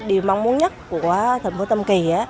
điều mong muốn nhất của thành phố tam kỳ